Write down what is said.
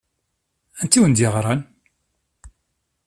Anta i wen-d-yeɣṛan?